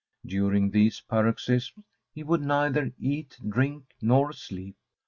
During these paroxysms he would neither eat, drink, nor sleep.